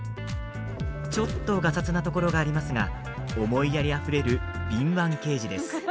ちょっとがさつなところがありますが、思いやりあふれる敏腕刑事です。